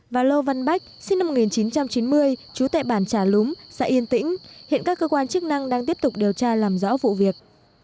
và lô văn bách sinh năm một nghìn chín trăm chín mươi chú tệ bản trà lúng xã yên tĩnh hiện các cơ quan chức năng đang tiếp tục điều tra làm rõ vụ việc